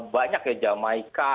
banyak ya jamaica